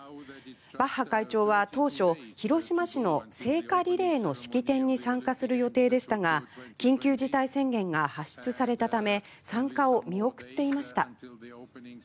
バッハ会長は当初広島市の聖火リレーの式典に参加する予定でしたが緊急事態宣言が発出されたため参加を見送っていました。